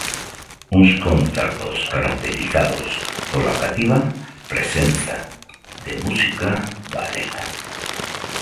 Uns concertos caracterizados pola cativa presenza de música galega.